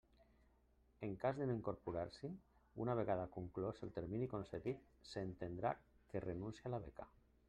En cas de no incorporar-s'hi una vegada conclòs el termini concedit, s'entendrà que renuncia a la beca.